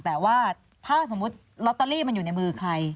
แต่ว่าถ้าสมมุติลอตเตอรี่มันอยู่ในมือใคร